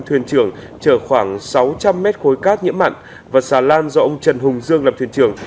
thuyền trường chở khoảng sáu trăm linh m khối cát nhiễm mặn và xà lan do ông trần hùng dương làm thuyền trường